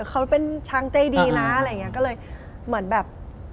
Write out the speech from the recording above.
เขาเป็นช้างใจดีนะอะไรอย่างนี้ก็เลยเหมือนแบบ